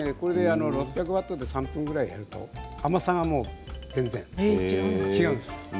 ６００ワットで３分ぐらいやると、甘さが全然違うんです。